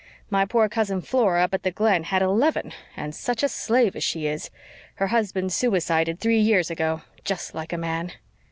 My poor cousin Flora up at the Glen had eleven, and such a slave as she is! Her husband suicided three years ago. Just like a man!"